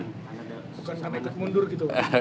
bukan sampai kemundur gitu